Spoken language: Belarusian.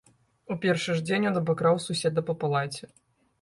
У першы ж дзень ён абакраў суседа па палаце.